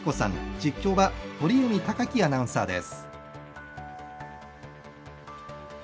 実況は鳥海貴樹アナウンサーです。